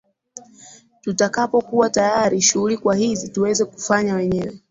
Tutakapokuwa tayari shughuli kwa hizi tuweze kufanya wenyewe